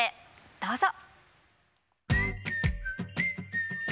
どうぞ！